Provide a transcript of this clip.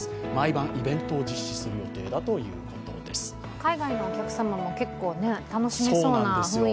海外のお客様も結構楽しめそうな雰囲気ですね。